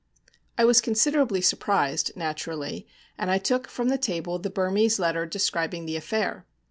I was considerably surprised, naturally, and I took from the table the Burmese letter describing the affair.